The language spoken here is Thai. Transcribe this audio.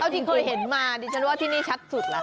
ที่เคยเห็นมาดิฉันว่าที่นี่ชัดสุดแล้ว